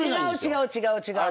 違う違う違う。